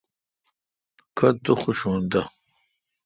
کتہ تو خوشون تہ۔